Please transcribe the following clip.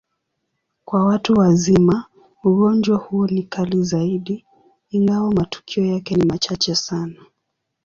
Kwa watu wazima, ugonjwa huo ni kali zaidi, ingawa matukio yake ni machache sana.